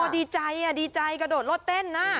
ดีใจดีใจกระโดดรถเต้น